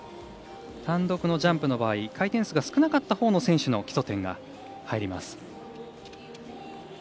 単独のジャンプの場合回転数が少なかったほうの選手の基礎点が入ります。